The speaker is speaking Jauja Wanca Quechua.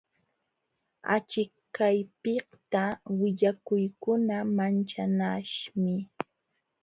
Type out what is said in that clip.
Achikaypiqta willakuykuna manchanaśhmi.